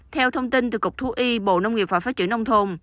theo thông tin từ cục thu y bộ nông nghiệp phải phát triển nông thôn